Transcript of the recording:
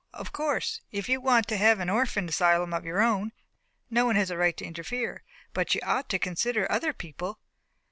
of course, if you want to have an orphan asylum of your own, no one has a right to interfere. But you ought to consider other people."